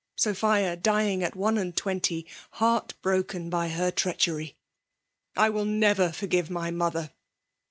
Sophia dying at^one and twenty, heart broken by her: treachery I I will never forgive my mother